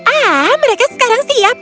ah mereka sekarang siap